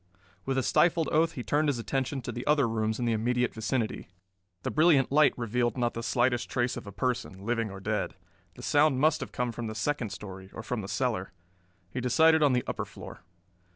With a stifled oath he turned his attention to the other rooms in the immediate vicinity. The brilliant light revealed not the slightest trace of a person, living or dead. The sound must have come from the second story or from the cellar. He decided on the upper floor.